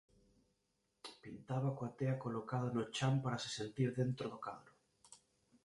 Pintaba coa tea colocada no chan para se sentir dentro do cadro.